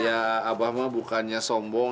ya abah mah bukannya sombong